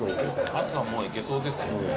ハツはもういけそうですね。